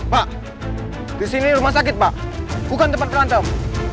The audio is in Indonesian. pak disini rumah sakit pak bukan tempat berantem